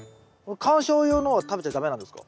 観賞用のは食べちゃ駄目なんですか？